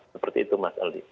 seperti itu mas aldi